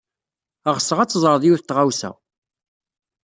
Ɣseɣ ad teẓred yiwet n tɣawsa.